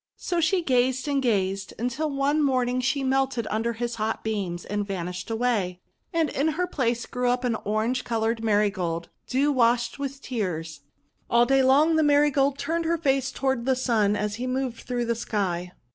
So she gazed and gazed, until one morning she THE MARIGOLD ARROWS 117 •> melted under his hot beams, and vanished away. And in her place grew up an orange coloured Marigold, dew washed with tears. All day long the Marigold turned her face toward the Sun as he moved through the sky.